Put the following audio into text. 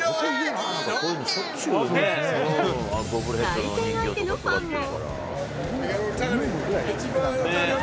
対戦相手のファンも。